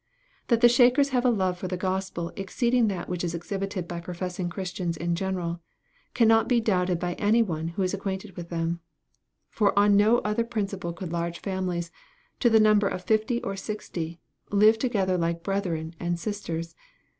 That the Shakers have a love for the Gospel exceeding that which is exhibited by professing Christians in general, cannot be doubted by any one who is acquainted with them. For on no other principle could large families, to the number of fifty or sixty, live together like brethren and sisters.